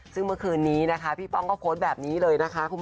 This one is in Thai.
ซึ่งเมื่อคืนนี้พี่ป้องก็โพสต์แบบนี้เลย